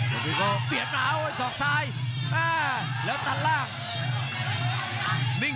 เวทวิโก้เปลี่ยนหนาวสองซ้ายแล้วตัดล่าง